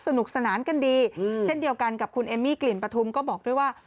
สนุกสนานกันดีเช่นเดียวกันกับคุณเอมมี่กลิ่นปฐุมก็บอกด้วยว่า